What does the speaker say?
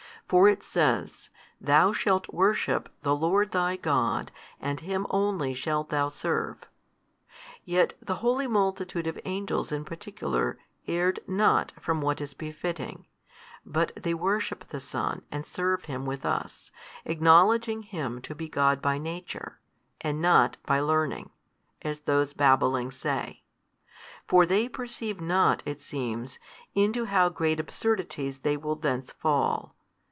for it says, Thou shalt worship the Lord thy God and Him only shalt thou serve. Yet the holy multitude of Angels in particular erred not from what is befitting, but they worship the Son and serve Him with us, acknowledging Him to be God by Nature, and not by learning, as those babbling say: for they perceive not (it seems) into how great absurdities they will thence fall.